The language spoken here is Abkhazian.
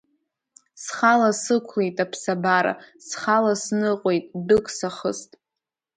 Схала сықәлеит аԥсабара, схала сныҟәеит, дәык сахыст.